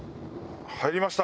入りました。